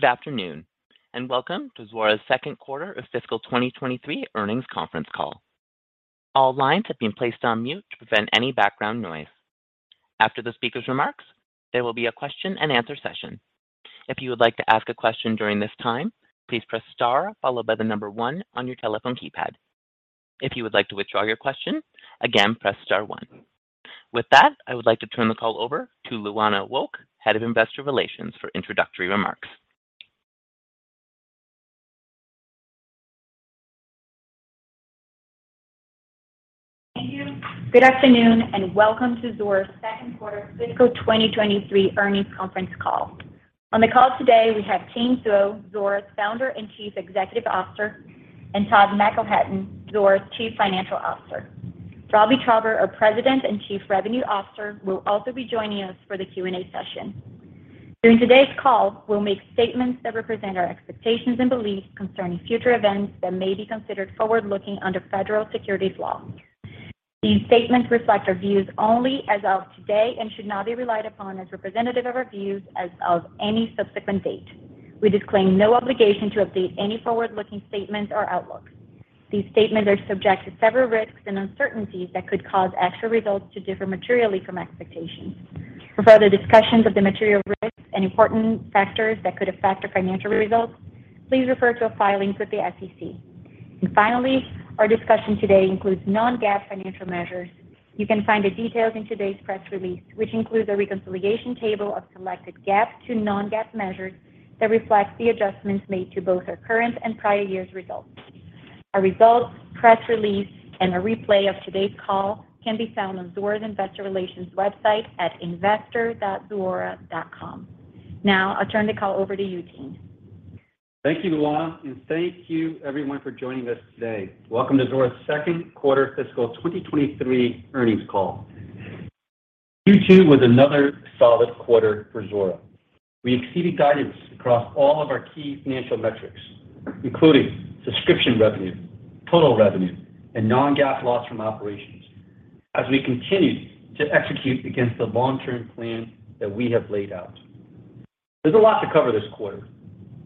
Good afternoon, and welcome to Zuora's second quarter of fiscal 2023 earnings conference call. All lines have been placed on mute to prevent any background noise. After the speaker's remarks, there will be a question-and-answer session. If you would like to ask a question during this time, please press star followed by one on your telephone keypad. If you would like to withdraw your question, again, press star one. With that, I would like to turn the call over to Luana Wolk, Head of Investor Relations for introductory remarks. Thank you. Good afternoon, and welcome to Zuora's second quarter fiscal 2023 earnings conference call. On the call today we have Tien Tzuo, Zuora's Founder and Chief Executive Officer, and Todd McElhatton, Zuora's Chief Financial Officer. Robbie Traube, our President and Chief Revenue Officer, will also be joining us for the Q&A session. During today's call, we'll make statements that represent our expectations and beliefs concerning future events that may be considered forward-looking under federal securities laws. These statements reflect our views only as of today and should not be relied upon as representative of our views as of any subsequent date. We disclaim no obligation to update any forward-looking statements or outlooks. These statements are subject to several risks and uncertainties that could cause actual results to differ materially from expectations. For further discussions of the material risks and important factors that could affect our financial results, please refer to our filings with the SEC. Finally, our discussion today includes non-GAAP financial measures. You can find the details in today's press release, which includes a reconciliation table of selected GAAP to non-GAAP measures that reflects the adjustments made to both our current and prior year's results. Our results, press release, and a replay of today's call can be found on Zuora's Investor Relations website at investor.zuora.com. Now, I'll turn the call over to you, Tien. Thank you, Luana, and thank you everyone for joining us today. Welcome to Zuora's second quarter fiscal 2023 earnings call. Q2 was another solid quarter for Zuora. We exceeded guidance across all of our key financial metrics, including subscription revenue, total revenue, and non-GAAP loss from operations as we continued to execute against the long-term plan that we have laid out. There's a lot to cover this quarter.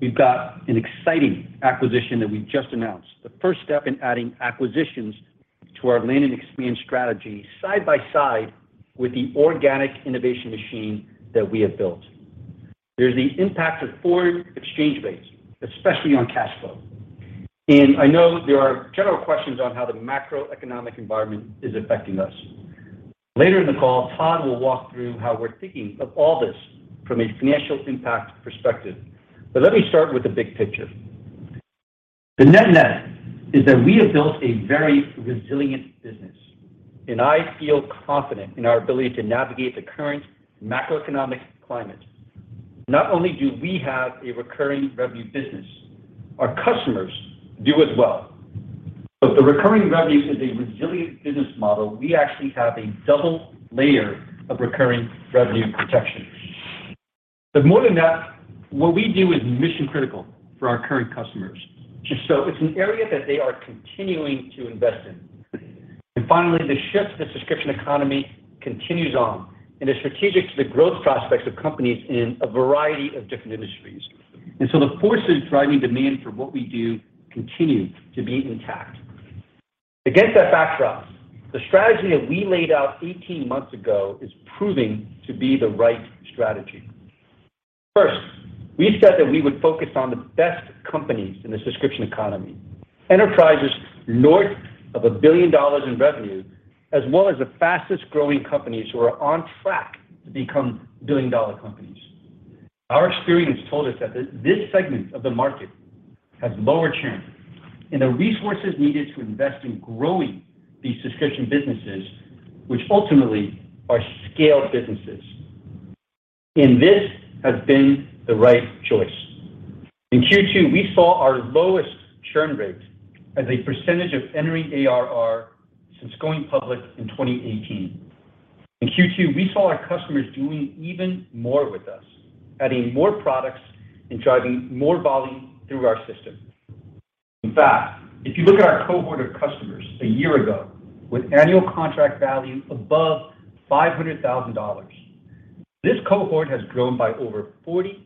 We've got an exciting acquisition that we just announced, the first step in adding acquisitions to our land and expand strategy side by side with the organic innovation machine that we have built. There's the impact of foreign exchange rates, especially on cash flow. I know there are general questions on how the macroeconomic environment is affecting us. Later in the call, Todd will walk through how we're thinking of all this from a financial impact perspective. Let me start with the big picture. The net net is that we have built a very resilient business, and I feel confident in our ability to navigate the current macroeconomic climate. Not only do we have a recurring revenue business, our customers do as well. If the recurring revenue is a resilient business model, we actually have a double layer of recurring revenue protection. More than that, what we do is mission-critical for our current customers. It's an area that they are continuing to invest in. Finally, the shift to the Subscription Economy continues on and is strategic to the growth prospects of companies in a variety of different industries. The forces driving demand for what we do continue to be intact. Against that backdrop, the strategy that we laid out 18 months ago is proving to be the right strategy. First, we said that we would focus on the best companies in the Subscription Economy, enterprises north of $1 billion in revenue, as well as the fastest-growing companies who are on track to become billion-dollar companies. Our experience told us that this segment of the market has lower churn and the resources needed to invest in growing these subscription businesses, which ultimately are scaled businesses. This has been the right choice. In Q2, we saw our lowest churn rate as a percentage of entering ARR since going public in 2018. In Q2, we saw our customers doing even more with us, adding more products, and driving more volume through our system. In fact, if you look at our cohort of customers a year ago with annual contract value above $500,000, this cohort has grown by over 40%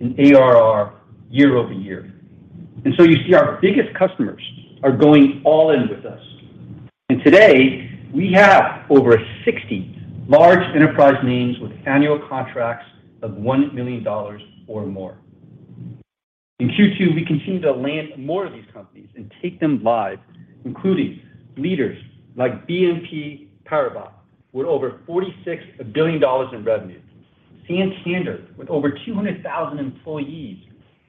in ARR year-over-year. You see our biggest customers are going all in with us. Today, we have over 60 large enterprise names with annual contracts of $1 million or more. In Q2, we continued to land more of these companies and take them live, including leaders like BNP Paribas, with over $46 billion in revenue, Santander, with over 200,000 employees,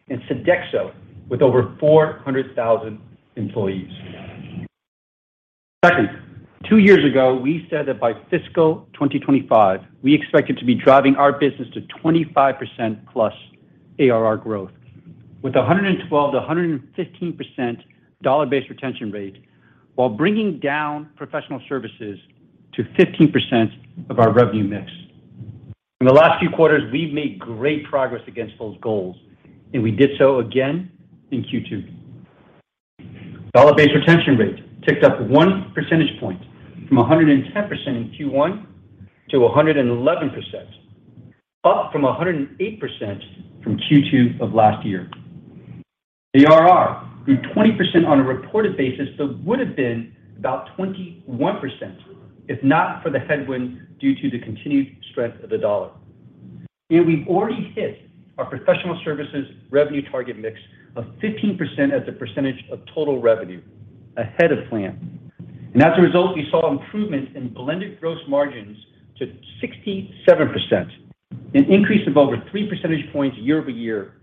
and Sodexo, with over 400,000 employees. Second, two years ago, we said that by fiscal 2025, we expected to be driving our business to 25%+ ARR growth with a 112%-115% dollar-based retention rate while bringing down professional services to 15% of our revenue mix. In the last few quarters, we've made great progress against those goals, and we did so again in Q2. Dollar-based retention rate ticked up one percentage point from 110% in Q1 to 111%, up from 108% from Q2 of last year. The ARR grew 20% on a reported basis, so it would have been about 21% if not for the headwind due to the continued strength of the dollar. We've already hit our professional services revenue target mix of 15% as a percentage of total revenue ahead of plan. As a result, we saw improvement in blended gross margins to 67%, an increase of over three percentage points year-over-year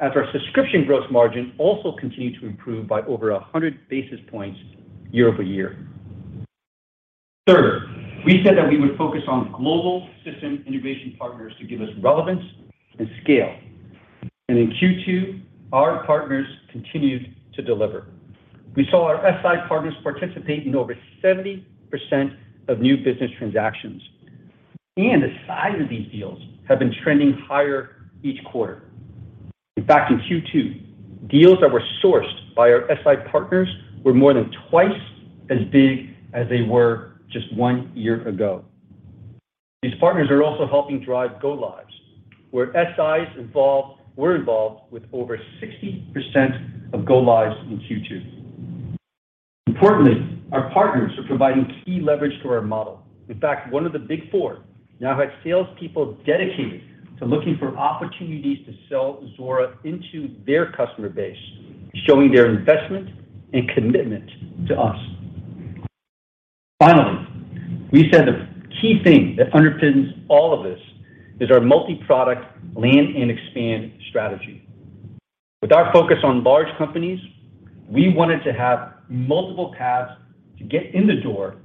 as our subscription gross margin also continued to improve by over 100 basis points year-over-year. Third, we said that we would focus on global system integration partners to give us relevance and scale. In Q2, our partners continued to deliver. We saw our SI partners participate in over 70% of new business transactions, and the size of these deals have been trending higher each quarter. In fact, in Q2, deals that were sourced by our SI partners were more than twice as big as they were just one year ago. These partners are also helping drive go-lives where SIs were involved with over 60% of go-lives in Q2. Importantly, our partners are providing key leverage to our model. In fact, one of the big four now have salespeople dedicated to looking for opportunities to sell Zuora into their customer base, showing their investment and commitment to us. Finally, we said the key thing that underpins all of this is our multi-product land and expand strategy. With our focus on large companies, we wanted to have multiple paths to get in the door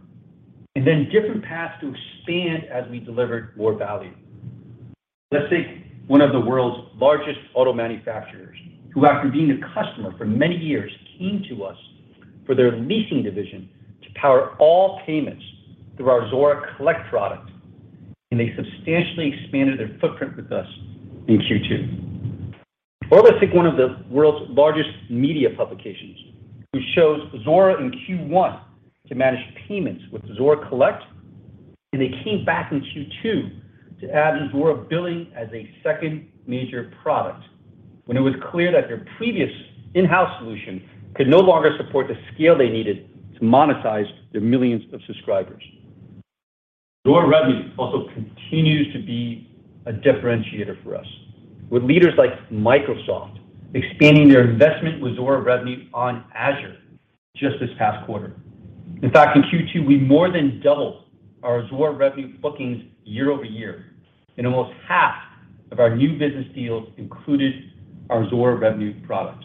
and then different paths to expand as we delivered more value. Let's take one of the world's largest auto manufacturers, who after being a customer for many years, came to us for their leasing division to power all payments through our Zuora Collect product, and they substantially expanded their footprint with us in Q2. Or let's take one of the world's largest media publications who chose Zuora in Q1 to manage payments with Zuora Collect, and they came back in Q2 to add Zuora Billing as a second major product when it was clear that their previous in-house solution could no longer support the scale they needed to monetize their millions of subscribers. Zuora Revenue also continues to be a differentiator for us with leaders like Microsoft expanding their investment with Zuora Revenue on Azure just this past quarter. In fact, in Q2, we more than doubled our Zuora Revenue bookings year-over-year, and almost half of our new business deals included our Zuora Revenue product.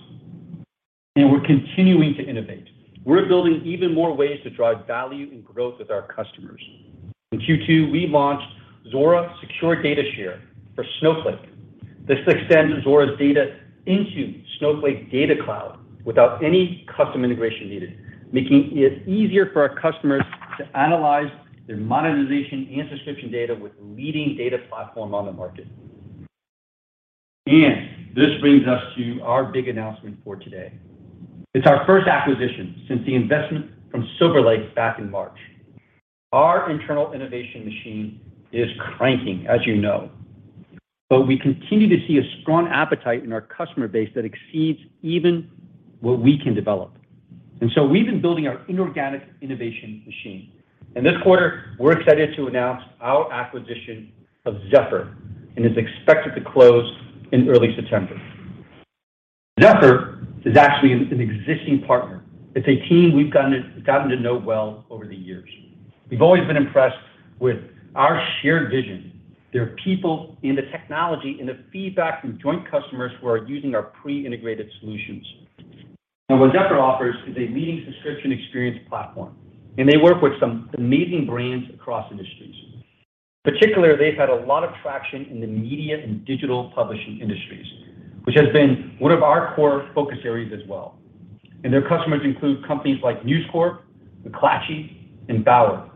We're continuing to innovate. We're building even more ways to drive value and growth with our customers. In Q2, we launched Zuora Secure Data Share for Snowflake. This extends Zuora's data into Snowflake Data Cloud without any custom integration needed, making it easier for our customers to analyze their monetization and subscription data with leading data platform on the market. This brings us to our big announcement for today. It's our first acquisition since the investment from Silver Lake back in March. Our internal innovation machine is cranking, as you know, but we continue to see a strong appetite in our customer base that exceeds even what we can develop. We've been building our inorganic innovation machine. In this quarter, we're excited to announce our acquisition of Zephr, and it's expected to close in early September. Zephr is actually an existing partner. It's a team we've gotten to know well over the years. We've always been impressed with our shared vision, their people in the technology, and the feedback from joint customers who are using our pre-integrated solutions. Now, what Zephr offers is a leading subscription experience platform, and they work with some amazing brands across industries. Particularly, they've had a lot of traction in the media and digital publishing industries, which has been one of our core focus areas as well. Their customers include companies like News Corp, McClatchy, and Bauer.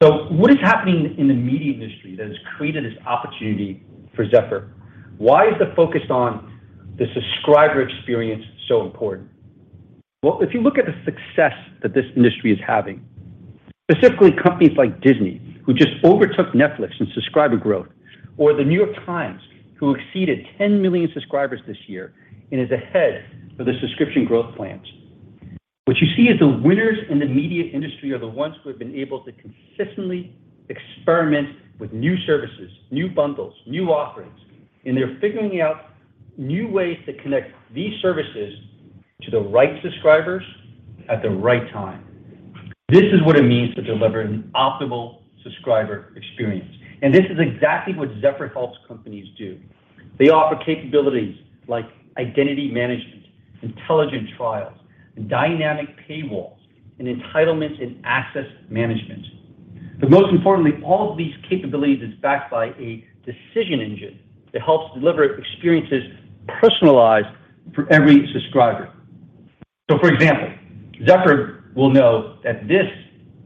What is happening in the media industry that has created this opportunity for Zephr? Why is the focus on the subscriber experience so important? Well, if you look at the success that this industry is having, specifically companies like Disney, who just overtook Netflix in subscriber growth, or The New York Times, who exceeded 10 million subscribers this year and is ahead of the subscription growth plans. What you see is the winners in the media industry are the ones who have been able to consistently experiment with new services, new bundles, new offerings, and they're figuring out new ways to connect these services to the right subscribers at the right time. This is what it means to deliver an optimal subscriber experience, and this is exactly what Zephr helps companies do. They offer capabilities like identity management, intelligent trials, dynamic paywalls, and entitlement and access management. Most importantly, all of these capabilities is backed by a decision engine that helps deliver experiences personalized for every subscriber. For example, Zephr will know that this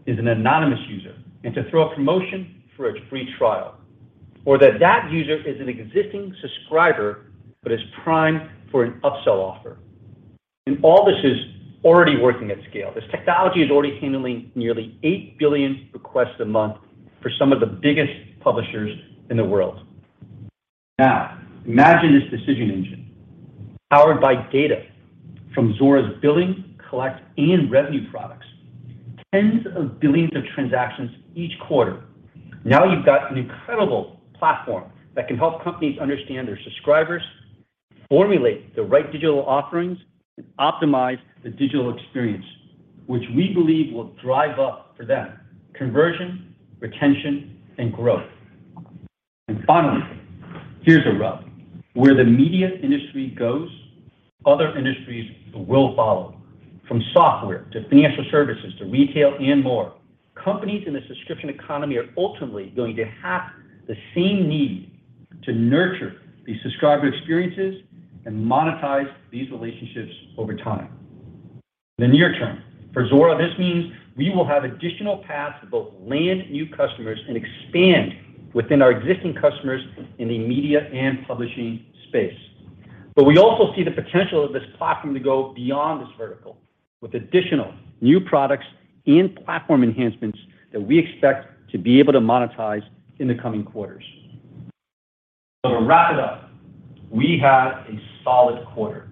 is an anonymous user and to throw a promotion for a free trial. That user is an existing subscriber, but is primed for an upsell offer. All this is already working at scale. This technology is already handling nearly 8 billion requests a month for some of the biggest publishers in the world. Now, imagine this decision engine powered by data from Zuora's Billing, Collect, and Revenue products, tens of billions of transactions each quarter. Now you've got an incredible platform that can help companies understand their subscribers, formulate the right digital offerings, and optimize the digital experience, which we believe will drive up for them conversion, retention, and growth. Finally, here's a rub. Where the media industry goes, other industries will follow, from software to financial services to retail and more. Companies in the subscription economy are ultimately going to have the same need to nurture these subscriber experiences and monetize these relationships over time. In the near term, for Zuora, this means we will have additional paths to both land new customers and expand within our existing customers in the media and publishing space. We also see the potential of this platform to go beyond this vertical with additional new products and platform enhancements that we expect to be able to monetize in the coming quarters. To wrap it up, we had a solid quarter.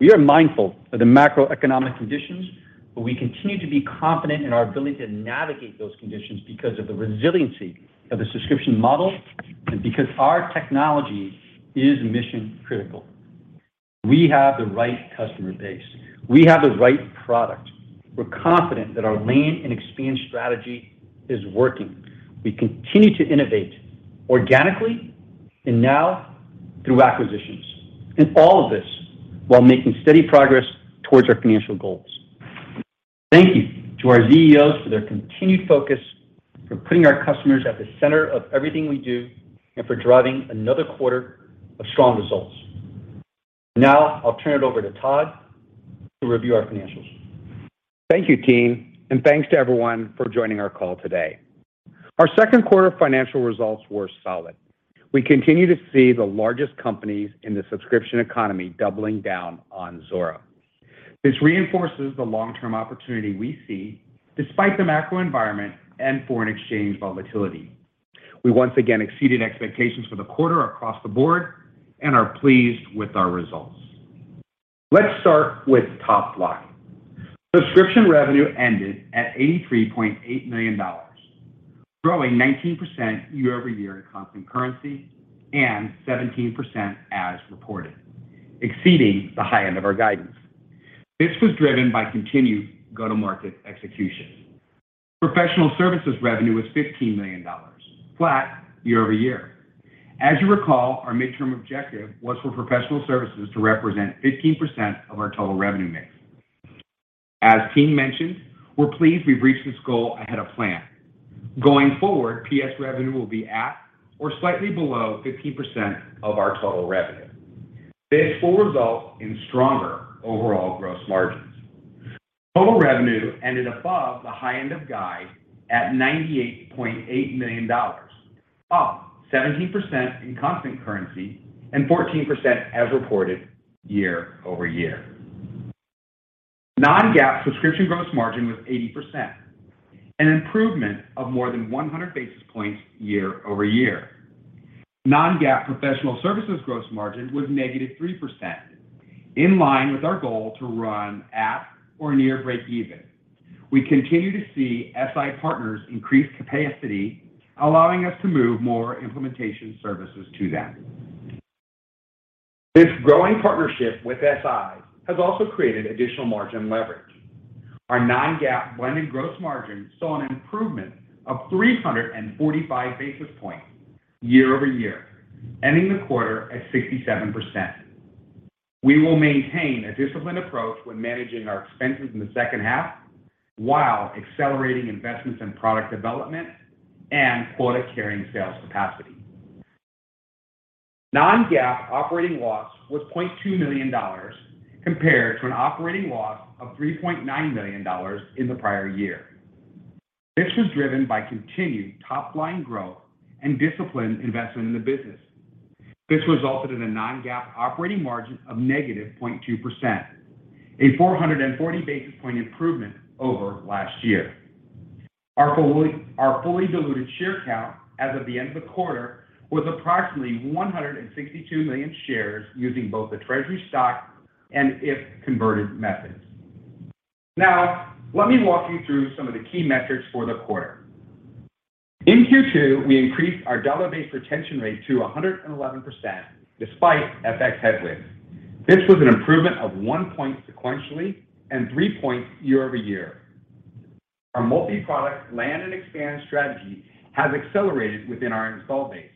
We are mindful of the macroeconomic conditions, but we continue to be confident in our ability to navigate those conditions because of the resiliency of the subscription model and because our technology is mission-critical. We have the right customer base. We have the right product. We're confident that our land and expand strategy is working. We continue to innovate organically and now through acquisitions, and all of this while making steady progress towards our financial goals. Thank you to our ZEOs for their continued focus, for putting our customers at the center of everything we do, and for driving another quarter of strong results. Now I'll turn it over to Todd to review our financials. Thank you, Tien, and thanks to everyone for joining our call today. Our second quarter financial results were solid. We continue to see the largest companies in the subscription economy doubling down on Zuora. This reinforces the long-term opportunity we see despite the macro environment and foreign exchange volatility. We once again exceeded expectations for the quarter across the board and are pleased with our results. Let's start with top line. Subscription revenue ended at $83.8 million, growing 19% year-over-year in constant currency and 17% as reported, exceeding the high end of our guidance. This was driven by continued go-to-market execution. Professional services revenue was $15 million, flat year-over-year. As you recall, our midterm objective was for professional services to represent 15% of our total revenue mix. As Tien mentioned, we're pleased we've reached this goal ahead of plan. Going forward, PS revenue will be at or slightly below 15% of our total revenue. This will result in stronger overall gross margins. Total revenue ended above the high end of guide at $98.8 million, up 17% in constant currency and 14% as reported year-over-year. Non-GAAP subscription gross margin was 80%, an improvement of more than 100 basis points year-over-year. Non-GAAP professional services gross margin was -3%, in line with our goal to run at or near breakeven. We continue to see SI partners increase capacity, allowing us to move more implementation services to them. This growing partnership with SI has also created additional margin leverage. Our non-GAAP blended gross margin saw an improvement of 345 basis points year-over-year, ending the quarter at 67%. We will maintain a disciplined approach when managing our expenses in the second half while accelerating investments in product development and quota-carrying sales capacity. Non-GAAP operating loss was $0.2 million compared to an operating loss of $3.9 million in the prior year. This was driven by continued top-line growth and disciplined investment in the business. This resulted in a non-GAAP operating margin of -0.2%, a 440 basis point improvement over last year. Our fully diluted share count as of the end of the quarter was approximately 162 million shares using both the treasury stock and if converted methods. Now, let me walk you through some of the key metrics for the quarter. In Q2, we increased our dollar-based retention rate to 111% despite FX headwinds. This was an improvement of one point sequentially and three points year-over-year. Our multi-product land and expand strategy has accelerated within our install base.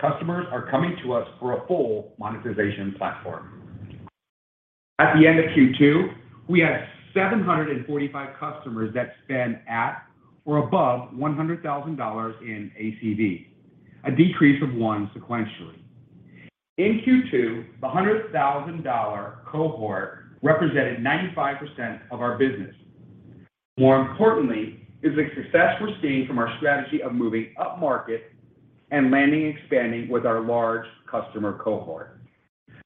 Customers are coming to us for a full monetization platform. At the end of Q2, we had 745 customers that spend at or above $100,000 in ACV, a decrease of one sequentially. In Q2, the $100,000 cohort represented 95% of our business. More importantly is the success we're seeing from our strategy of moving upmarket and land and expand with our large customer cohort.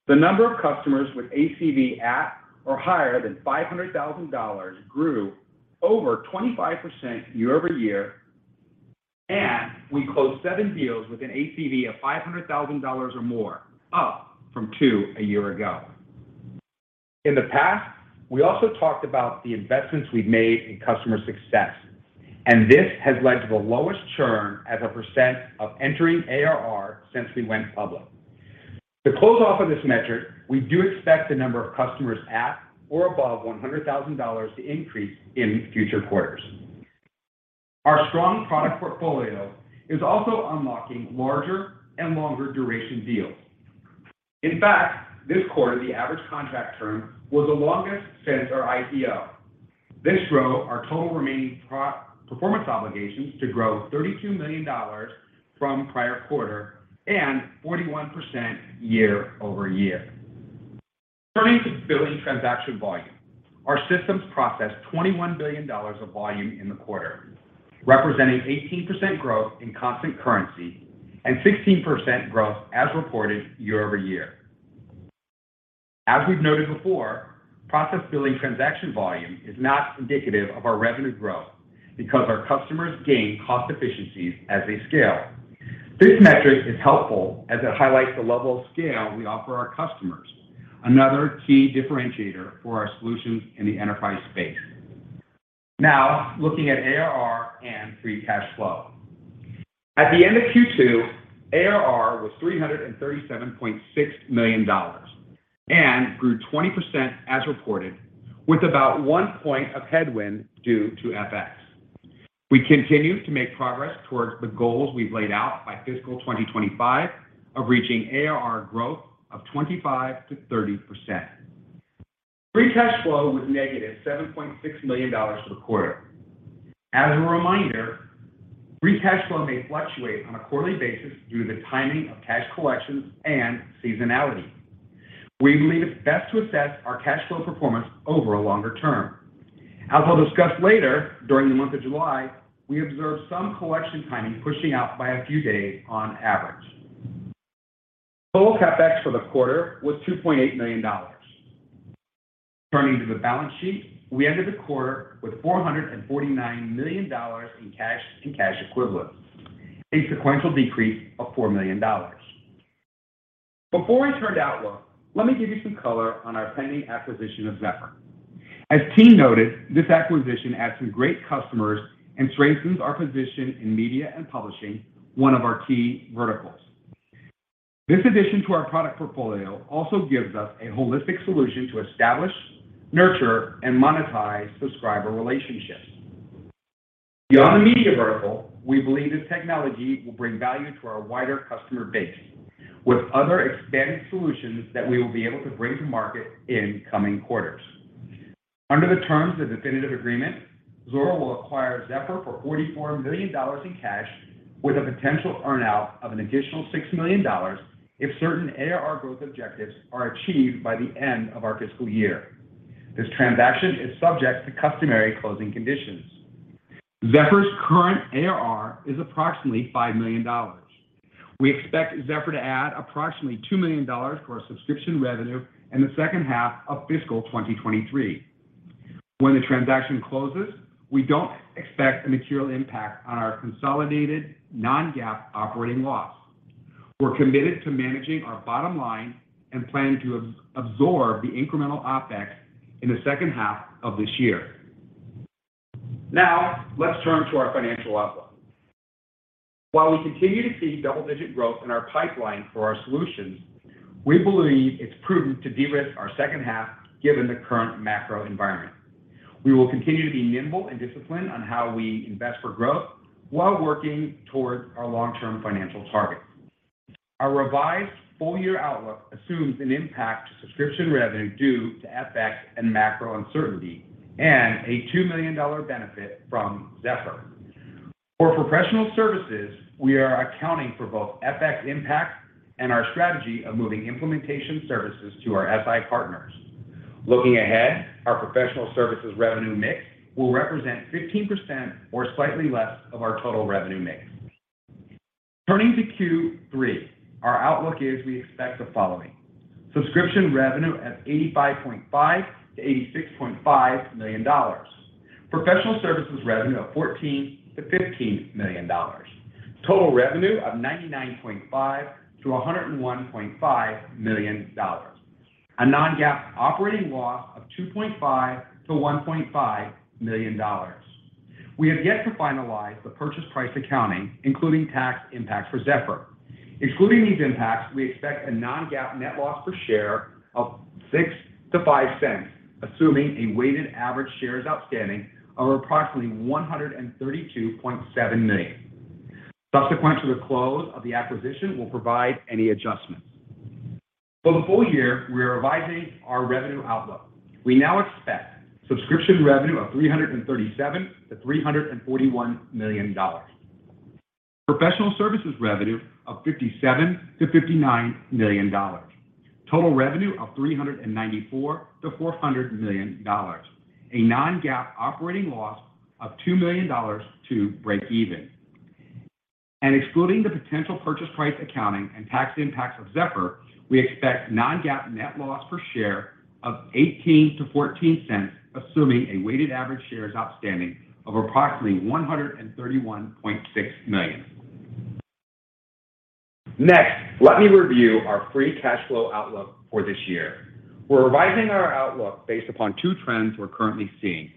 The number of customers with ACV at or higher than $500,000 grew over 25% year-over-year, and we closed seven deals with an ACV of $500,000 or more, up from two a year ago. In the past, we also talked about the investments we've made in customer success, and this has led to the lowest churn as a percent of entering ARR since we went public. To close off on this metric, we do expect the number of customers at or above $100,000 to increase in future quarters. Our strong product portfolio is also unlocking larger and longer duration deals. In fact, this quarter, the average contract term was the longest since our IPO. This drove our total remaining performance obligations to grow $32 million from prior quarter and 41% year-over-year. Turning to billing transaction volume. Our systems processed $21 billion of volume in the quarter, representing 18% growth in constant currency and 16% growth as reported year-over-year. As we've noted before, processed billing transaction volume is not indicative of our revenue growth because our customers gain cost efficiencies as they scale. This metric is helpful as it highlights the level of scale we offer our customers, another key differentiator for our solutions in the enterprise space. Now looking at ARR and free cash flow. At the end of Q2, ARR was $337.6 million and grew 20% as reported with about one point of headwind due to FX. We continue to make progress towards the goals we've laid out by fiscal 2025 of reaching ARR growth of 25%-30%. Free cash flow was -$7.6 million for the quarter. As a reminder, free cash flow may fluctuate on a quarterly basis due to the timing of cash collections and seasonality. We believe it's best to assess our cash flow performance over a longer term. As I'll discuss later, during the month of July, we observed some collection timing pushing out by a few days on average. Total CapEx for the quarter was $2.8 million. Turning to the balance sheet, we ended the quarter with $449 million in cash and cash equivalents, a sequential decrease of $4 million. Before we turn to outlook, let me give you some color on our pending acquisition of Zephr. As Tien noted, this acquisition adds some great customers and strengthens our position in media and publishing, one of our key verticals. This addition to our product portfolio also gives us a holistic solution to establish, nurture, and monetize subscriber relationships. Beyond the media vertical, we believe this technology will bring value to our wider customer base with other expanded solutions that we will be able to bring to market in coming quarters. Under the terms of definitive agreement, Zuora will acquire Zephr for $44 million in cash with a potential earn-out of an additional $6 million if certain ARR growth objectives are achieved by the end of our fiscal year. This transaction is subject to customary closing conditions. Zephr's current ARR is approximately $5 million. We expect Zephr to add approximately $2 million to our subscription revenue in the second half of fiscal 2023. When the transaction closes, we don't expect a material impact on our consolidated non-GAAP operating loss. We're committed to managing our bottom line and plan to absorb the incremental OpEx in the second half of this year. Now let's turn to our financial outlook. While we continue to see double-digit growth in our pipeline for our solutions, we believe it's prudent to de-risk our second half given the current macro environment. We will continue to be nimble and disciplined on how we invest for growth while working towards our long-term financial targets. Our revised full-year outlook assumes an impact to subscription revenue due to FX and macro uncertainty and a $2 million benefit from Zephr. For professional services, we are accounting for both FX impact and our strategy of moving implementation services to our SI partners. Looking ahead, our professional services revenue mix will represent 15% or slightly less of our total revenue mix. Turning to Q3, our outlook is we expect the following. Subscription revenue of $85.5 million-$86.5 million. Professional services revenue of $14 million-$15 million. Total revenue of $99.5 million-$101.5 million. A non-GAAP operating loss of $2.5 million-$1.5 million. We have yet to finalize the purchase price accounting, including tax impact for Zephr. Excluding these impacts, we expect a non-GAAP net loss per share of $0.06-$0.05, assuming a weighted average shares outstanding of approximately 132.7 million. Subsequent to the close of the acquisition, we'll provide any adjustments. For the full year, we are revising our revenue outlook. We now expect subscription revenue of $337 million-$341 million. Professional services revenue of $57 million-$59 million. Total revenue of $394 million-$400 million. A non-GAAP operating loss of $2 million to breakeven. Excluding the potential purchase price accounting and tax impacts of Zephr, we expect non-GAAP net loss per share of $0.18-$0.14, assuming a weighted average shares outstanding of approximately 131.6 million. Next, let me review our free cash flow outlook for this year. We're revising our outlook based upon two trends we're currently seeing.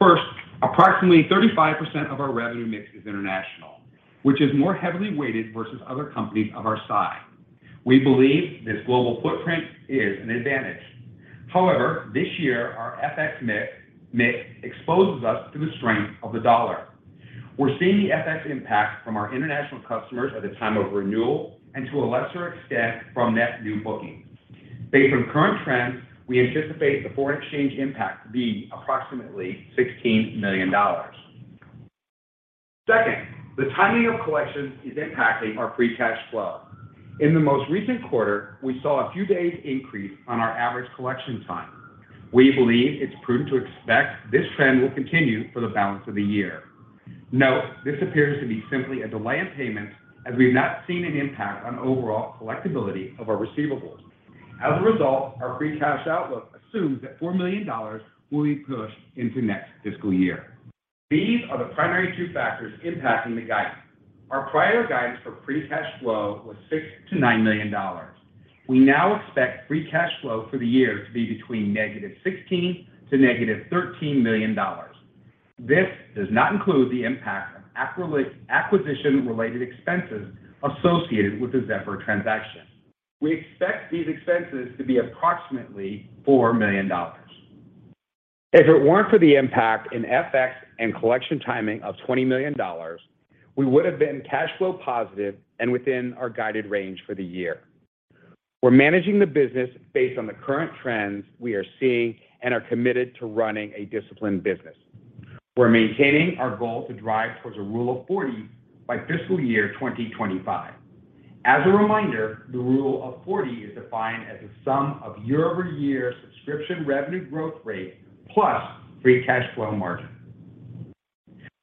First, approximately 35% of our revenue mix is international, which is more heavily weighted versus other companies of our size. We believe this global footprint is an advantage. However, this year, our FX mix exposes us to the strength of the dollar. We're seeing the FX impact from our international customers at the time of renewal and to a lesser extent, from net new bookings. Based on current trends, we anticipate the foreign exchange impact to be approximately $16 million. Second, the timing of collections is impacting our free cash flow. In the most recent quarter, we saw a few days increase on our average collection time. We believe it's prudent to expect this trend will continue for the balance of the year. Note, this appears to be simply a delay in payments as we've not seen an impact on overall collectibility of our receivables. As a result, our free cash flow outlook assumes that $4 million will be pushed into next fiscal year. These are the primary two factors impacting the guidance. Our prior guidance for free cash flow was $6 million-$9 million. We now expect free cash flow for the year to be between -$16 million to -$13 million. This does not include the impact of acquisition-related expenses associated with the Zephr transaction. We expect these expenses to be approximately $4 million. If it weren't for the impact in FX and collection timing of $20 million, we would have been cash flow positive and within our guided range for the year. We're managing the business based on the current trends we are seeing and are committed to running a disciplined business. We're maintaining our goal to drive towards a Rule of 40 by fiscal year 2025. As a reminder, the Rule of 40 is defined as the sum of year-over-year subscription revenue growth rate plus free cash flow margin.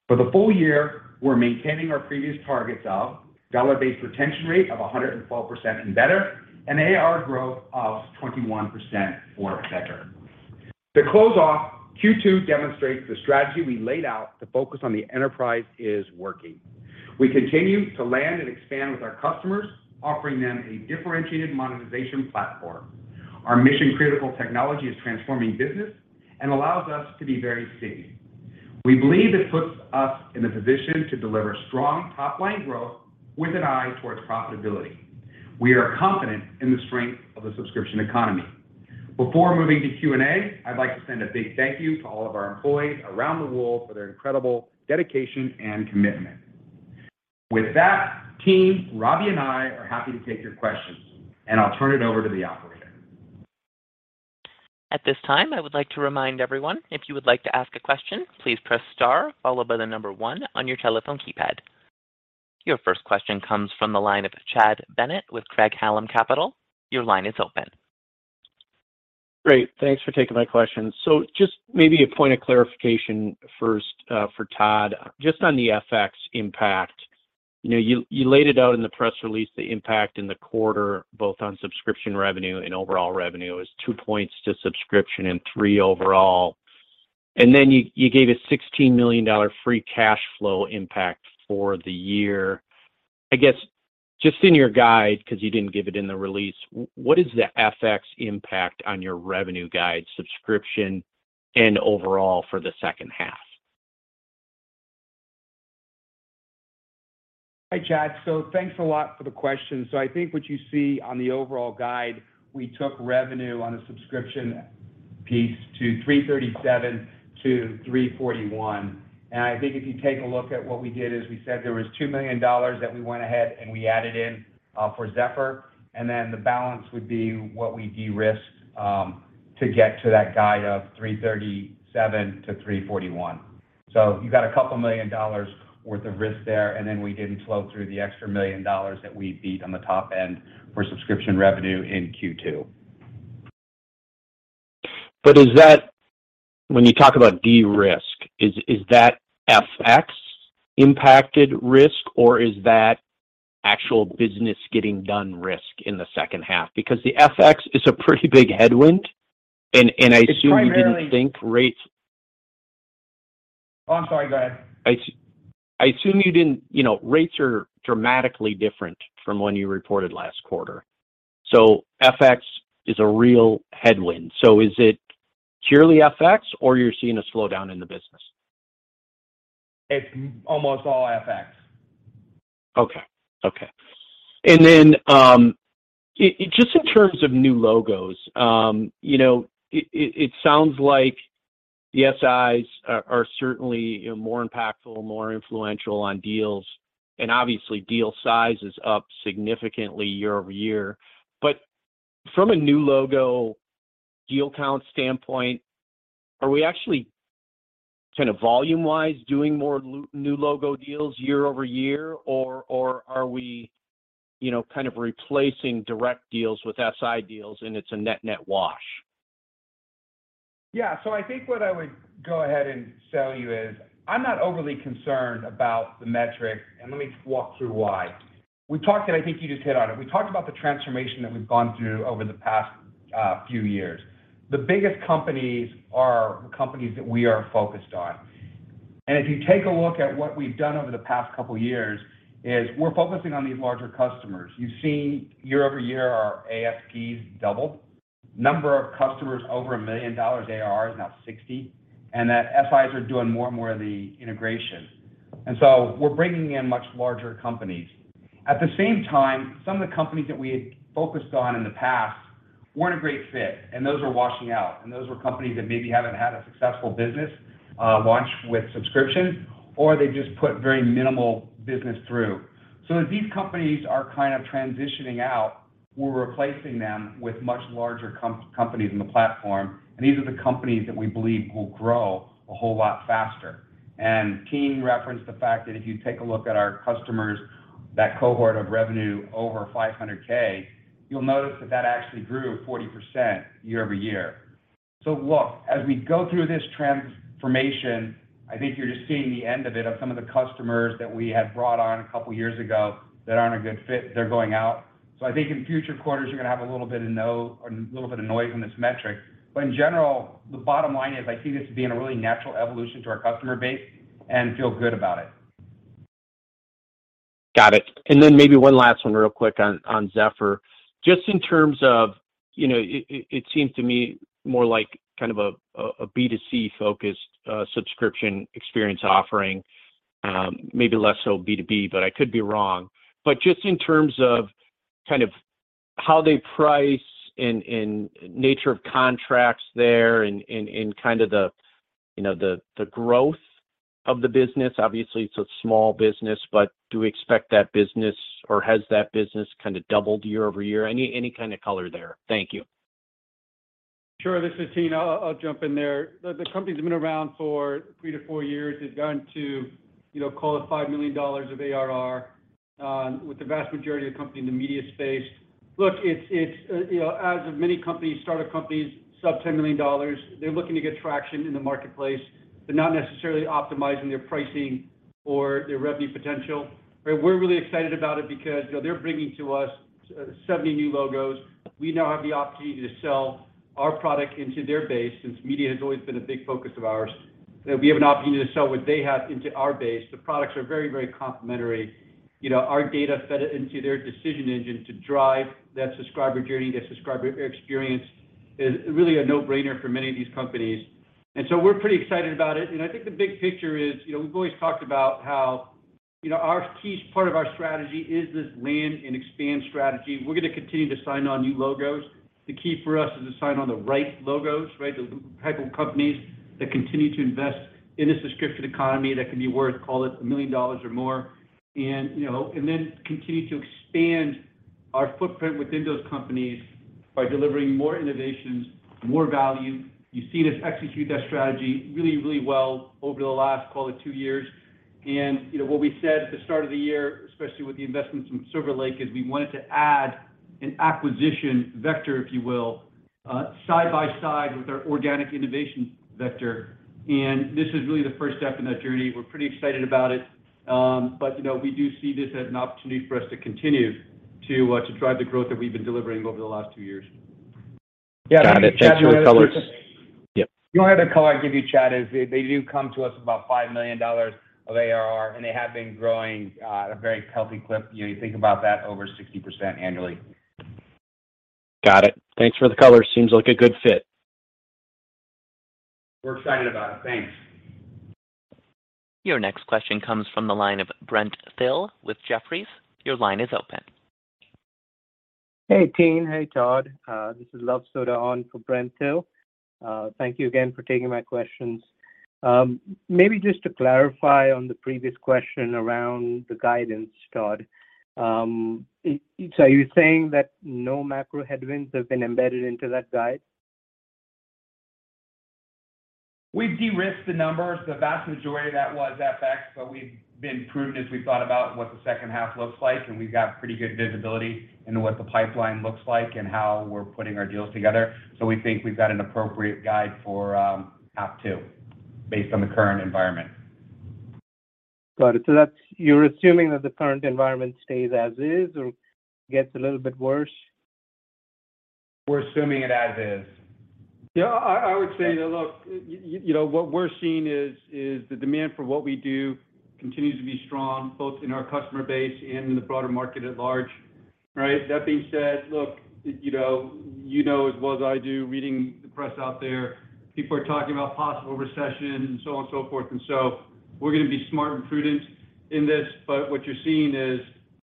For the full-year, we're maintaining our previous targets of dollar-based retention rate of 112% and better, and AR growth of 21% or better. To close off, Q2 demonstrates the strategy we laid out to focus on the enterprise is working. We continue to land and expand with our customers, offering them a differentiated monetization platform. Our mission-critical technology is transforming business and allows us to be very sticky. We believe this puts us in a position to deliver strong top-line growth with an eye towards profitability. We are confident in the strength of the Subscription Economy. Before moving to Q&A, I'd like to send a big thank you to all of our employees around the world for their incredible dedication and commitment. With that, Tien, Robbie and I are happy to take your questions, and I'll turn it over to the operator. At this time, I would like to remind everyone, if you would like to ask a question, please press star followed by the number one on your telephone keypad. Your first question comes from the line of Chad Bennett with Craig-Hallum Capital. Your line is open. Great. Thanks for taking my question. Just maybe a point of clarification first, for Todd, just on the FX impact. You know, you laid it out in the press release, the impact in the quarter, both on subscription revenue and overall revenue is 2% to subscription and 3% overall. Then you gave a $16 million free cash flow impact for the year. I guess, just in your guide, because you didn't give it in the release, what is the FX impact on your revenue guide subscription and overall for the second half? Hi, Chad. Thanks a lot for the question. I think what you see on the overall guide, we took revenue on a subscription piece to $337 million-$341 million. I think if you take a look at what we did is we said there was $2 million that we went ahead and we added in, for Zephr, and then the balance would be what we de-risked, to get to that guide of $337 million-$341 million. You got a couple million dollars worth of risk there, and then we didn't flow through the extra million dollars that we beat on the top end for subscription revenue in Q2. When you talk about de-risk, is that FX impacted risk, or is that actual business getting done risk in the second half? Because the FX is a pretty big headwind, and I assume you didn't think rates. Oh, I'm sorry, go ahead. I assume you didn't. You know, rates are dramatically different from when you reported last quarter. FX is a real headwind. Is it purely FX or you're seeing a slowdown in the business? It's almost all FX. Just in terms of new logos, you know, it sounds like the SIs are certainly, you know, more impactful, more influential on deals, and obviously deal size is up significantly year-over-year. From a new logo deal count standpoint, are we actually kind of volume-wise doing more new logo deals year-over-year or are we, you know, kind of replacing direct deals with SI deals, and it's a net-net wash? Yeah. I think what I would go ahead and tell you is I'm not overly concerned about the metric, and let me walk through why. We talked, and I think you just hit on it. We talked about the transformation that we've gone through over the past few years. The biggest companies are the companies that we are focused on. If you take a look at what we've done over the past couple years, is we're focusing on these larger customers. You've seen year-over-year our ASPs double. Number of customers over $1 million ARR is now 60, and that SIs are doing more and more of the integration. We're bringing in much larger companies. At the same time, some of the companies that we had focused on in the past weren't a great fit, and those are washing out. Those were companies that maybe haven't had a successful business launch with subscription, or they just put very minimal business through. As these companies are kind of transitioning out, we're replacing them with much larger companies in the platform, and these are the companies that we believe will grow a whole lot faster. Tien referenced the fact that if you take a look at our customers, that cohort of revenue over 500,000, you'll notice that that actually grew 40% year-over-year. Look, as we go through this transformation, I think you're just seeing the end of it of some of the customers that we had brought on a couple years ago that aren't a good fit. They're going out. I think in future quarters, you're gonna have a little bit of noise on this metric. In general, the bottom line is I see this as being a really natural evolution to our customer base and feel good about it. Got it. Maybe one last one real quick on Zephr. Just in terms of, you know, it seems to me more like kind of a B2C-focused subscription experience offering, maybe less so B2B, but I could be wrong. Just in terms of kind of how they price and nature of contracts there and kind of the, you know, the growth of the business. Obviously, it's a small business, but do we expect that business or has that business kinda doubled year-over-year? Any kind of color there. Thank you. Sure. This is Tien. I'll jump in there. The company's been around for three to four years. They've gotten to, you know, call it $5 million of ARR, with the vast majority of the company in the media space. Look, it's you know, as with many companies, startup companies, sub-$10 million, they're looking to get traction in the marketplace. They're not necessarily optimizing their pricing or their revenue potential. We're really excited about it because, you know, they're bringing to us 70 new logos. We now have the opportunity to sell our product into their base since media has always been a big focus of ours. You know, we have an opportunity to sell what they have into our base. The products are very, very complementary. You know, our data fed into their decision engine to drive that subscriber journey, that subscriber experience is really a no-brainer for many of these companies. We're pretty excited about it. I think the big picture is, you know, we've always talked about how, you know, our key part of our strategy is this land and expand strategy. We're gonna continue to sign on new logos. The key for us is to sign on the right logos, right? The type of companies that continue to invest in a Subscription Economy that can be worth, call it, $1 million or more. You know, and then continue to expand our footprint within those companies by delivering more innovations, more value. You've seen us execute that strategy really, really well over the last, call it, two years. You know, what we said at the start of the year, especially with the investments from Silver Lake, is we wanted to add an acquisition vector, if you will, side by side with our organic innovation vector. This is really the first step in that journey. We're pretty excited about it. But, you know, we do see this as an opportunity for us to continue to drive the growth that we've been delivering over the last two years. Got it. Thanks for the colors. Yeah. The only other color I'd give you, Chad, is they do come to us about $5 million of ARR, and they have been growing at a very healthy clip. You know, you think about that, over 60% annually. Got it. Thanks for the color. Seems like a good fit. We're excited about it. Thanks. Your next question comes from the line of Brent Thill with Jefferies. Your line is open. Hey, Tien. Hey, Todd. This is Luv Sodha on for Brent Thill. Thank you again for taking my questions. Maybe just to clarify on the previous question around the guidance, Todd. Are you saying that no macro headwinds have been embedded into that guide? We've de-risked the numbers. The vast majority of that was FX, but we've been prudent as we thought about what the second half looks like, and we've got pretty good visibility into what the pipeline looks like and how we're putting our deals together. We think we've got an appropriate guide for half two based on the current environment. Got it. You're assuming that the current environment stays as is or gets a little bit worse? We're assuming it as is. Yeah. I would say that, look, you know, what we're seeing is the demand for what we do continues to be strong, both in our customer base and in the broader market at large. Right? That being said, look, you know as well as I do reading the press out there, people are talking about possible recession and so on and so forth. We're gonna be smart and prudent in this. What you're seeing is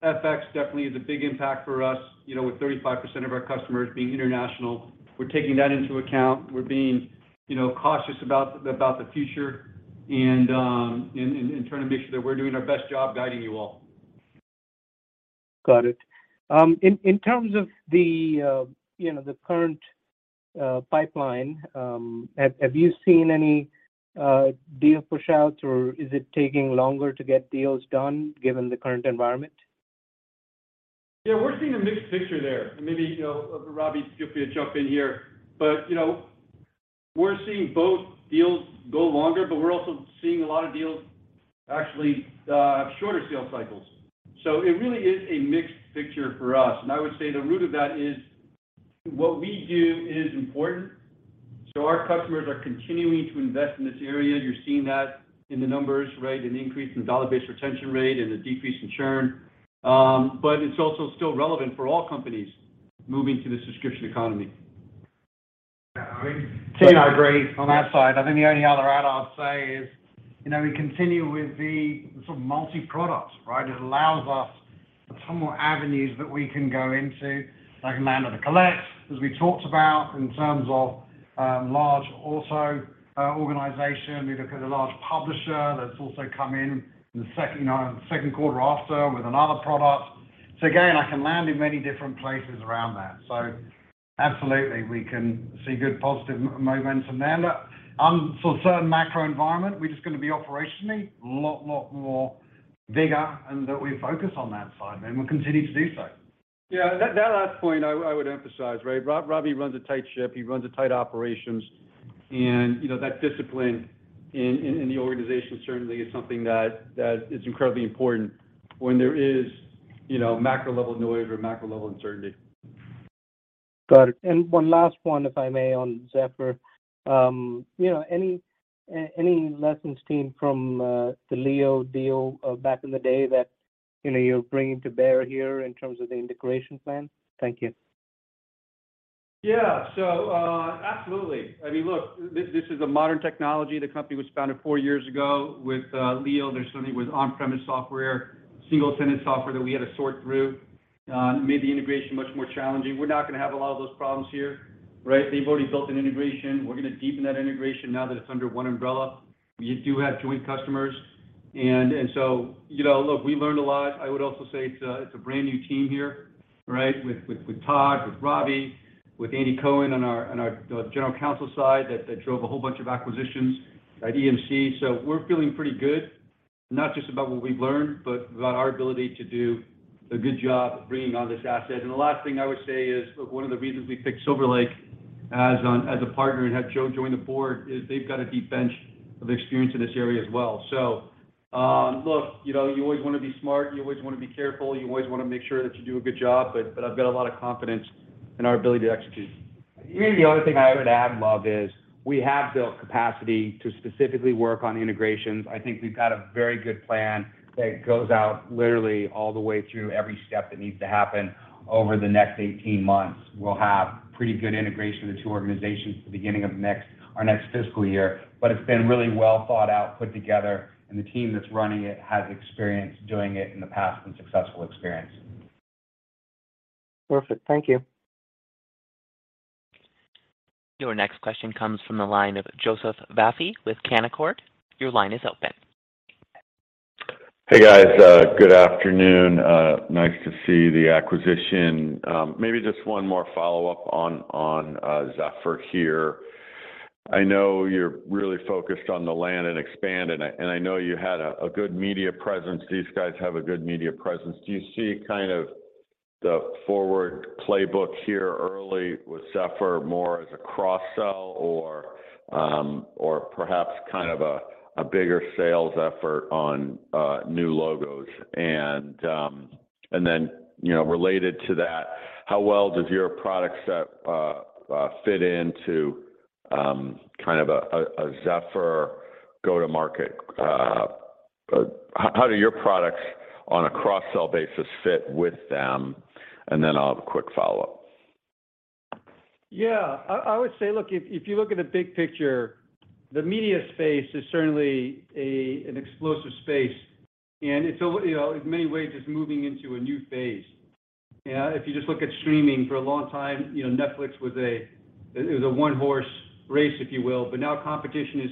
FX definitely is a big impact for us, you know, with 35% of our customers being international. We're taking that into account. We're being, you know, cautious about the future and trying to make sure that we're doing our best job guiding you all. Got it. In terms of the, you know, the current pipeline, have you seen any deal pushouts, or is it taking longer to get deals done given the current environment? Yeah, we're seeing a mixed picture there. Maybe, you know, Robbie, feel free to jump in here. But, you know, we're seeing both deals go longer, but we're also seeing a lot of deals actually have shorter sales cycles. It really is a mixed picture for us. I would say the root of that is what we do is important. Our customers are continuing to invest in this area. You're seeing that in the numbers, right? An increase in dollar-based retention rate and a decrease in churn. But it's also still relevant for all companies moving to the Subscription Economy. Yeah. I mean, Tien agrees on that side. I think the only other add I'd say is, you know, we continue with the sort of multi-product, right? It allows us some more avenues that we can go into, like land and collect, as we talked about in terms of, large auto organization. We look at a large publisher that's also come in in the second quarter after with another product. Again, I can land in many different places around that. Absolutely, we can see good positive momentum there. For certain macro environment, we're just gonna be operationally a lot more vigor and that we focus on that side. We'll continue to do so. Yeah, that last point I would emphasize, right? Robbie runs a tight ship, he runs a tight operations, and, you know, that discipline in the organization certainly is something that is incredibly important when there is, you know, macro-level noise or macro-level uncertainty. Got it. One last one, if I may, on Zephr. You know, any lessons learned from the Leeyo deal back in the day that, you know, you're bringing to bear here in terms of the integration plan? Thank you. Yeah. Absolutely. I mean, look, this is a modern technology. The company was founded four years ago. With Leeyo, there's something with on-premise software, single-tenant software that we had to sort through, made the integration much more challenging. We're not gonna have a lot of those problems here, right? They've already built an integration. We're gonna deepen that integration now that it's under one umbrella. We do have joint customers, and so, you know, look, we learned a lot. I would also say it's a brand new team here, right? With Todd, with Robbie, with Andy Cohen on our general counsel side that drove a whole bunch of acquisitions at EMC. We're feeling pretty good, not just about what we've learned, but about our ability to do a good job of bringing on this asset. The last thing I would say is, look, one of the reasons we picked Silver Lake as a partner and had Joe join the board is they've got a deep bench of experience in this area as well. Look, you know, you always wanna be smart, you always wanna be careful, you always wanna make sure that you do a good job. But I've got a lot of confidence in our ability to execute. Maybe the only thing I would add, Luv, is we have built capacity to specifically work on integrations. I think we've got a very good plan that goes out literally all the way through every step that needs to happen over the next 18 months. We'll have pretty good integration of the two organizations at the beginning of our next fiscal year. It's been really well thought out, put together, and the team that's running it has experience doing it in the past and successful experience. Perfect. Thank you. Your next question comes from the line of Joseph Vafi with Canaccord. Your line is open. Hey, guys. Good afternoon. Nice to see the acquisition. Maybe just one more follow-up on Zephr here. I know you're really focused on the land and expand, and I know you had a good media presence. These guys have a good media presence. Do you see kind of the forward playbook here early with Zephr more as a cross-sell or perhaps kind of a bigger sales effort on new logos? You know, related to that, how well does your product set fit into kind of a Zephr go-to-market? How do your products on a cross-sell basis fit with them? Then I'll have a quick follow-up. Yeah. I would say, look, if you look at the big picture, the media space is certainly an explosive space. It's a, you know, in many ways, it's moving into a new phase. You know, if you just look at streaming for a long time, you know, Netflix was a, it was a one-horse race, if you will. Now competition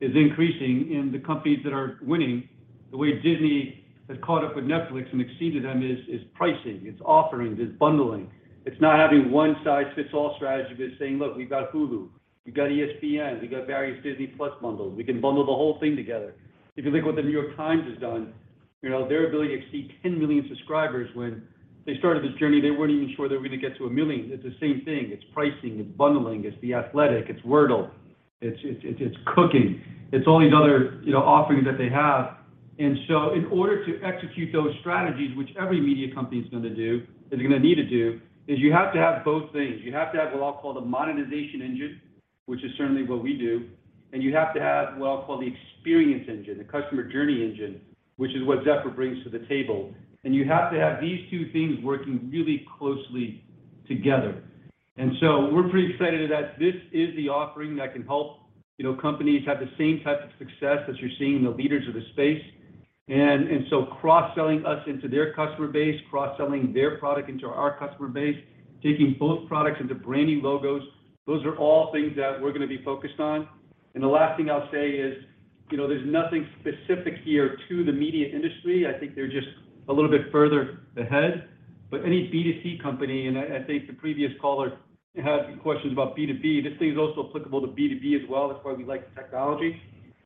is increasing, and the companies that are winning, the way Disney has caught up with Netflix and exceeded them is pricing, it's offerings, it's bundling. It's not having one-size-fits-all strategy, but it's saying, "Look, we've got Hulu, we've got ESPN, we've got various Disney+ bundles. We can bundle the whole thing together." If you look what the New York Times has done, you know, their ability to exceed 10 million subscribers when they started this journey, they weren't even sure they were gonna get to a million. It's the same thing. It's pricing, it's bundling, it's The Athletic, it's Wordle, it's cooking. It's all these other, you know, offerings that they have. In order to execute those strategies, which every media company is gonna do, is gonna need to do, is you have to have both things. You have to have what I'll call the monetization engine, which is certainly what we do. You have to have what I'll call the experience engine, the customer journey engine, which is what Zephr brings to the table. You have to have these two things working really closely together. We're pretty excited that this is the offering that can help, you know, companies have the same type of success as you're seeing the leaders of the space. So cross-selling us into their customer base, cross-selling their product into our customer base, taking both products into branding logos, those are all things that we're gonna be focused on. The last thing I'll say is, you know, there's nothing specific here to the media industry. I think they're just a little bit further ahead. Any B2C company, and I think the previous caller had questions about B2B, this thing is also applicable to B2B as well. That's why we like the technology.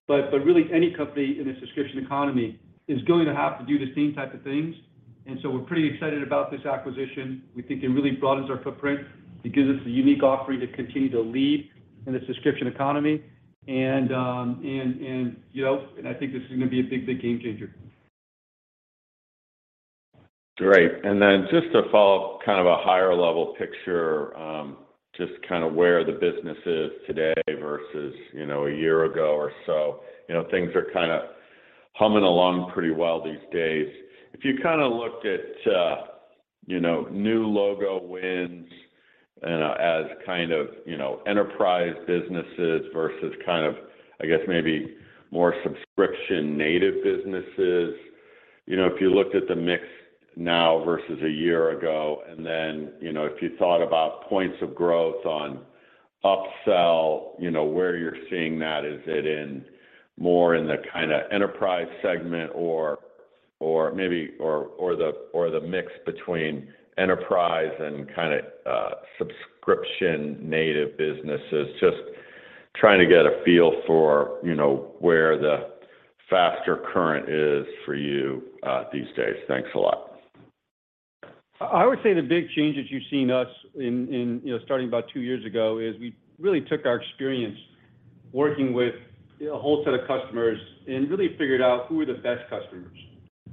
Really any company in the subscription economy is going to have to do the same type of things. We're pretty excited about this acquisition. We think it really broadens our footprint. It gives us a unique offering to continue to lead in the Subscription Economy. You know, I think this is gonna be a big game changer. Great. Just to follow-up, kind of a higher-level picture, just kinda where the business is today versus, you know, a year ago or so. You know, things are kinda humming along pretty well these days. If you kinda looked at, you know, new logo wins and as kind of, you know, enterprise businesses versus kind of, I guess maybe more subscription native businesses. You know, if you looked at the mix now versus a year ago, and then, you know, if you thought about points of growth on upsell, you know, where you're seeing that, is it in more in the kinda enterprise segment or maybe the mix between enterprise and kinda subscription native businesses? Just trying to get a feel for, you know, where the faster current is for you these days. Thanks a lot. I would say the big change that you've seen us in, you know, starting about two years ago, is we really took our experience working with a whole set of customers and really figured out who are the best customers,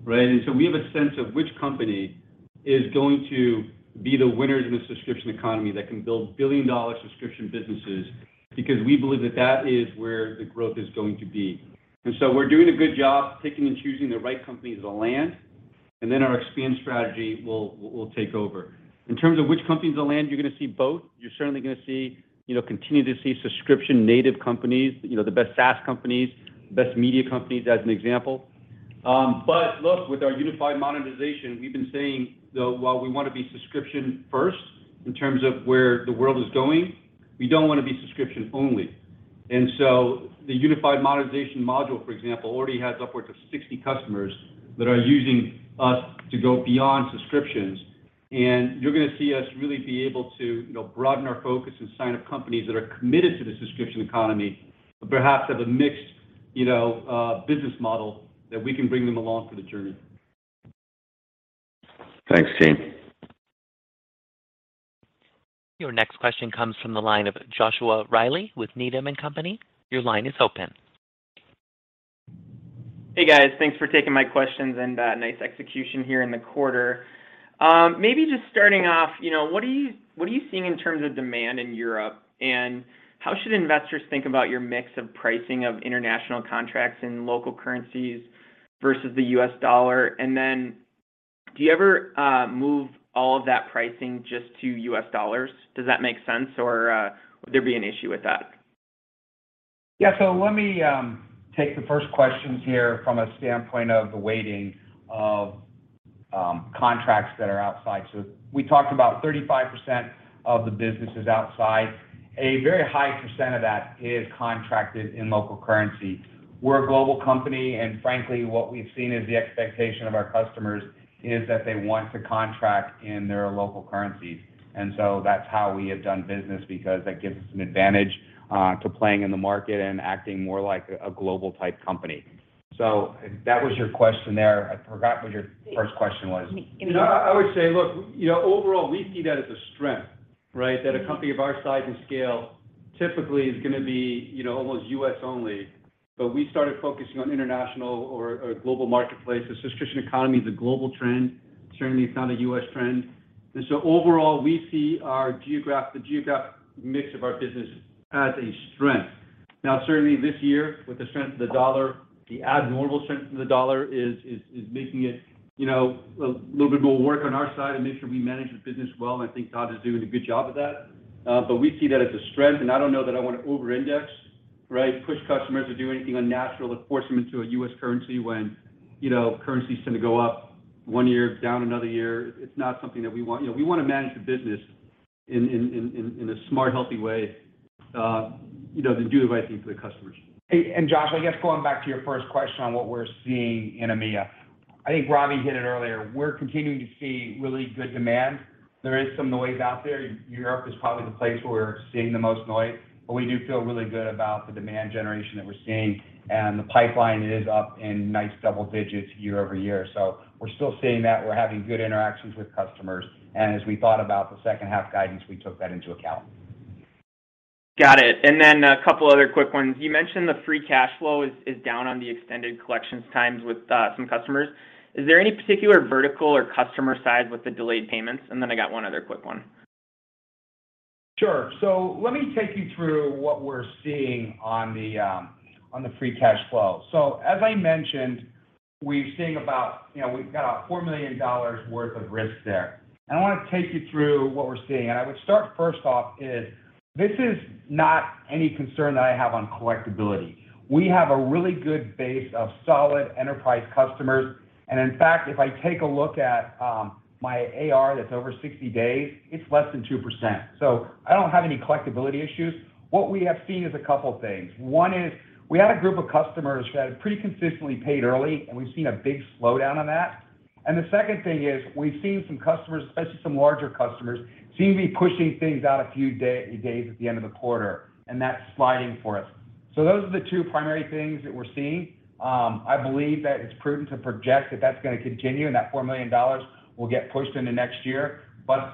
right? We have a sense of which company is going to be the winners in the Subscription Economy that can build billion-dollar subscription businesses, because we believe that that is where the growth is going to be. We're doing a good job picking and choosing the right companies to land, and then our expand strategy will take over. In terms of which companies to land, you're gonna see both. You're certainly gonna see, you know, continue to see subscription native companies, you know, the best SaaS companies, best media companies as an example. Look, with our Unified Monetization, we've been saying, though, while we wanna be subscription first in terms of where the world is going, we don't wanna be subscription only. The Unified Monetization module, for example, already has upwards of 60 customers that are using us to go beyond subscriptions. You're gonna see us really be able to, you know, broaden our focus and sign-up companies that are committed to the Subscription Economy, but perhaps have a mixed, you know, business model that we can bring them along for the journey. Thanks, Tien. Your next question comes from the line of Joshua Reilly with Needham & Company. Your line is open. Hey, guys. Thanks for taking my questions, and nice execution here in the quarter. Maybe just starting off, you know, what are you seeing in terms of demand in Europe? How should investors think about your mix of pricing of international contracts in local currencies versus the U.S. dollar? Then do you ever move all of that pricing just to U.S. dollars? Does that make sense, or would there be an issue with that? Yeah. Let me take the first questions here from a standpoint of the weighting of contracts that are outside. We talked about 35% of the businesses outside. A very high percent of that is contracted in local currency. We're a global company, and frankly, what we've seen is the expectation of our customers is that they want to contract in their local currencies. That's how we have done business because that gives us an advantage to playing in the market and acting more like a global type company. If that was your question there, I forgot what your first question was. I would say, look, you know, overall, we see that as a strength, right? That a company of our size and scale typically is gonna be, you know, almost U.S. only. We started focusing on international or a global marketplace. The Subscription Economy is a global trend. Certainly, it's not a U.S. trend. Overall, we see the geographic mix of our business as a strength. Now, certainly this year, with the strength of the US dollar, the abnormal strength of the US dollar is making it, you know, a little bit more work on our side to make sure we manage the business well. I think Todd is doing a good job of that. We see that as a strength, and I don't know that I wanna over-index, right, push customers or do anything unnatural to force them into a U.S. currency when, you know, currency is gonna go up one year, down another year. It's not something that we want. You know, we wanna manage the business in a smart, healthy way, you know, then do the right thing for the customers. Josh, I guess going back to your first question on what we're seeing in EMEA. I think Robbie hit it earlier. We're continuing to see really good demand. There is some noise out there. Europe is probably the place where we're seeing the most noise, but we do feel really good about the demand generation that we're seeing, and the pipeline is up in nice double digits year-over-year. So we're still seeing that. We're having good interactions with customers. As we thought about the second half guidance, we took that into account. Got it. Then a couple other quick ones. You mentioned the free cash flow is down on the extended collections times with some customers. Is there any particular vertical or customer side with the delayed payments? I got one other quick one. Sure. Let me take you through what we're seeing on the free cash flow. As I mentioned We're seeing about, you know, we've got $4 million worth of risk there. I wanna take you through what we're seeing. I would start first off is, this is not any concern that I have on collectibility. We have a really good base of solid enterprise customers, and in fact, if I take a look at my AR that's over 60 days, it's less than 2%. I don't have any collectibility issues. What we have seen is a couple things. One is we had a group of customers that pretty consistently paid early, and we've seen a big slowdown on that. The second thing is, we've seen some customers, especially some larger customers, seem to be pushing things out a few days at the end of the quarter, and that's sliding for us. Those are the two primary things that we're seeing. I believe that it's prudent to project that that's gonna continue and that $4 million will get pushed into next year.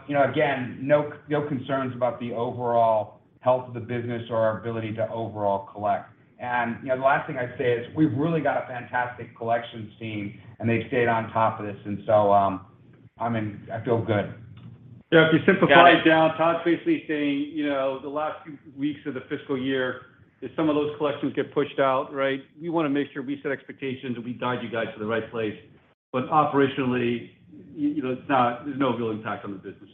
You know, again, no concerns about the overall health of the business or our ability to overall collect. You know, the last thing I'd say is we've really got a fantastic collections team, and they've stayed on top of this. I feel good. Yeah, if you simplify it down, Todd's basically saying, you know, the last few weeks of the fiscal year, if some of those collections get pushed out, right, we wanna make sure we set expectations and we guide you guys to the right place. Operationally, you know, there's no real impact on the business.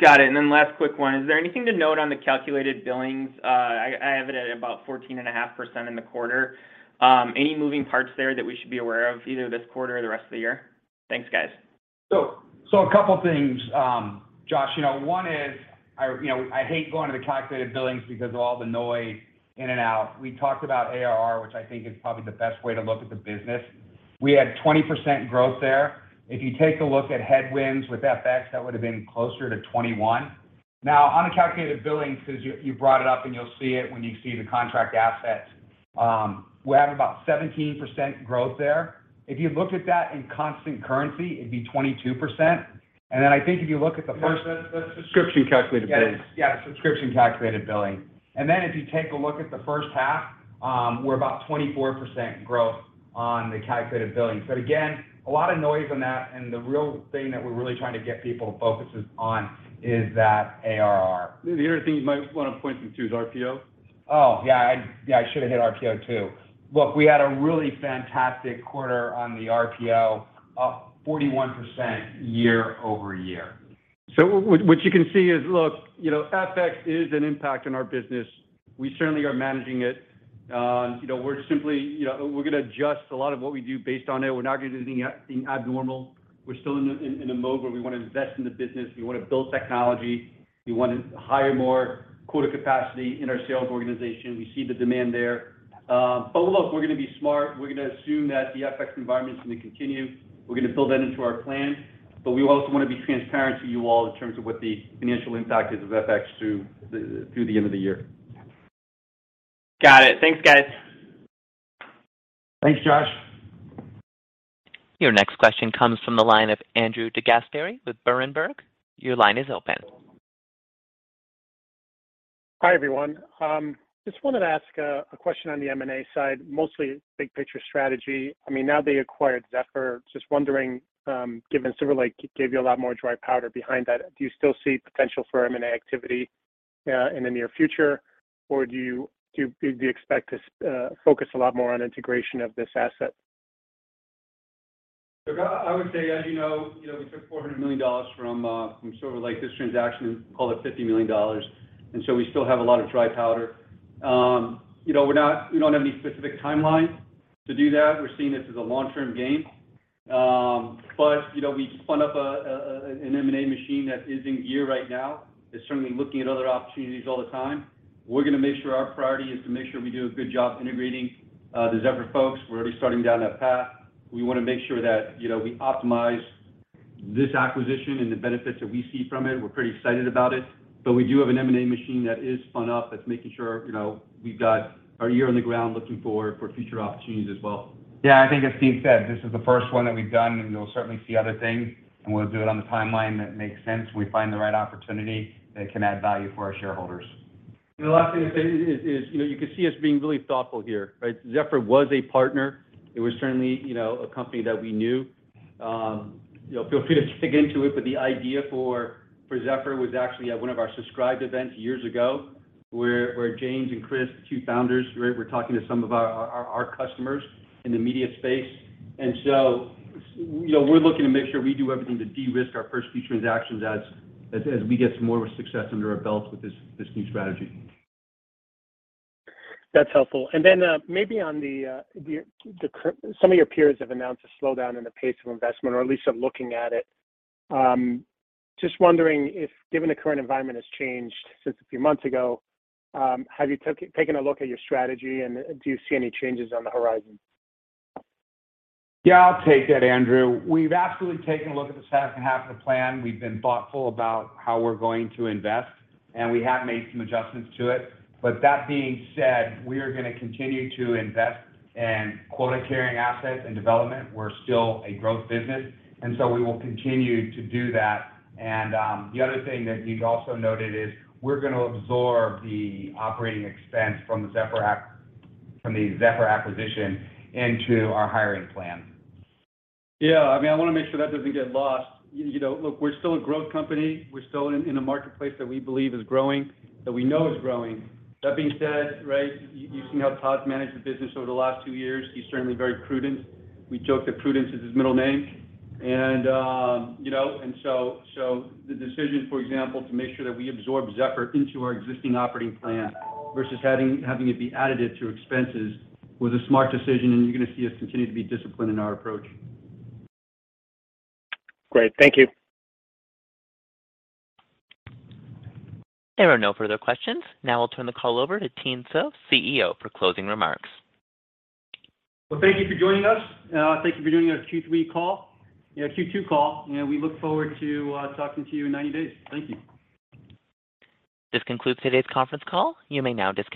Got it. Then last quick one. Is there anything to note on the calculated billings? I have it at about 14.5% in the quarter. Any moving parts there that we should be aware of, either this quarter or the rest of the year? Thanks, guys. A couple things, Josh. You know, one is, I, you know, I hate going to the calculated billings because of all the noise in and out. We talked about ARR, which I think is probably the best way to look at the business. We had 20% growth there. If you take a look at headwinds with FX, that would've been closer to 21%. Now, on the calculated billings, 'cause you brought it up, and you'll see it when you see the contract assets, we're having about 17% growth there. If you look at that in constant currency, it'd be 22%. Then I think if you look at the first. The subscription calculated billings. Yes. Yeah, subscription calculated billing. Then if you take a look at the first half, we're about 24% growth on the calculated billings. Again, a lot of noise on that, and the real thing that we're really trying to get people's focuses on is that ARR. The other thing you might wanna point them to is RPO. Yeah, I should have hit RPO too. Look, we had a really fantastic quarter on the RPO, up 41% year-over-year. What you can see is, look, you know, FX is an impact in our business. We certainly are managing it. You know, we're gonna adjust a lot of what we do based on it. We're not doing anything abnormal. We're still in a mode where we wanna invest in the business, we wanna build technology, we wanna hire more quota capacity in our sales organization. We see the demand there. Look, we're gonna be smart. We're gonna assume that the FX environment is gonna continue. We're gonna build that into our plan. We also wanna be transparent to you all in terms of what the financial impact is of FX through the end of the year. Got it. Thanks, guys. Thanks, Josh. Your next question comes from the line of Andrew DeGasperi with Berenberg. Your line is open. Hi, everyone. Just wanted to ask a question on the M&A side, mostly big picture strategy. I mean, now that you acquired Zephr, just wondering, given Silver Lake gave you a lot more dry powder behind that, do you still see potential for M&A activity in the near future? Or do you expect to focus a lot more on integration of this asset? Look, I would say, as you know, you know, we took $400 million from Silver Lake, this transaction, call it $50 million, and so we still have a lot of dry powder. You know, we're not—we don't have any specific timelines to do that. We're seeing this as a long-term gain. You know, we spun up an M&A machine that is in gear right now. It's certainly looking at other opportunities all the time. We're gonna make sure our priority is to make sure we do a good job integrating the Zephr folks. We're already starting down that path. We wanna make sure that, you know, we optimize this acquisition and the benefits that we see from it. We're pretty excited about it. We do have an M&A machine that is spun up, that's making sure, you know, we've got our ear on the ground looking for future opportunities as well. Yeah, I think as Tien said, this is the first one that we've done, and you'll certainly see other things. We'll do it on the timeline that makes sense, when we find the right opportunity that can add value for our shareholders. The last thing I'd say is, you know, you can see us being really thoughtful here, right? Zephr was a partner. It was certainly, you know, a company that we knew. You know, feel free to dig into it, but the idea for Zephr was actually at one of our Subscribed events years ago, where James and Chris, the two founders, right, were talking to some of our customers in the media space. You know, we're looking to make sure we do everything to de-risk our first few transactions as we get some more success under our belt with this new strategy. That's helpful. Some of your peers have announced a slowdown in the pace of investment or at least are looking at it. Just wondering if, given the current environment has changed since a few months ago, have you taken a look at your strategy, and do you see any changes on the horizon? Yeah, I'll take that, Andrew. We've absolutely taken a look at the second half of the plan. We've been thoughtful about how we're going to invest, and we have made some adjustments to it. That being said, we are gonna continue to invest in quota-carrying assets and development. We're still a growth business, and so we will continue to do that. The other thing that you've also noted is we're gonna absorb the operating expense from the Zephr acquisition into our hiring plan. Yeah. I mean, I wanna make sure that doesn't get lost. You know, look, we're still a growth company. We're still in a marketplace that we believe is growing, that we know is growing. That being said, right, you've seen how Todd's managed the business over the last two years. He's certainly very prudent. We joke that prudence is his middle name. You know, so the decision, for example, to make sure that we absorb Zephr into our existing operating plan versus having it be additive to expenses was a smart decision, and you're gonna see us continue to be disciplined in our approach. Great. Thank you. There are no further questions. Now I'll turn the call over to Tien Tzuo, CEO, for closing remarks. Well, thank you for joining us. Thank you for doing our Q3 call, you know, Q2 call, and we look forward to talking to you in 90 days. Thank you. This concludes today's conference call. You may now disconnect.